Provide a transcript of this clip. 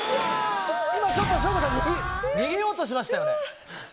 今ちょっと、省吾さん逃げようとしましたよね。